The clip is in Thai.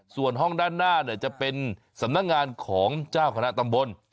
ส่วนห้องด้านหน้าจะเป็นสำนักงานของเจ้าคณะตำบล